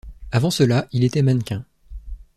Avant cela, il était mannequin.